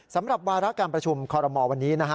สำหรับวาระการประชุมคณะโอบโมรวันนี้